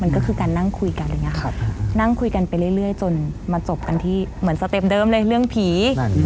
มันก็คือการนั่งคุยกันอะไรอย่างนี้ค่ะนั่งคุยกันไปเรื่อยจนมาจบกันที่เหมือนสเต็ปเดิมเลยเรื่องผี